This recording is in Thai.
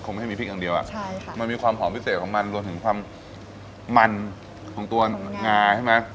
ไม่ให้มีพริกอย่างเดียวอ่ะใช่ค่ะมันมีความหอมพิเศษของมันรวมถึงความมันของตัวงาใช่ไหม